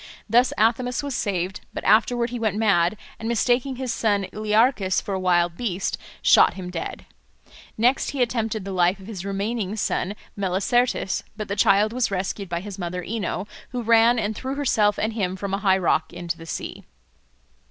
Thus Athamas was saved, but afterward he went mad, and mistaking his son Learchus for a wild beast, shot him dead. Next he attempted the life of his remaining son Melicertes, but the child was rescued by his mother Ino, who ran and threw herself and him from a high rock into the sea.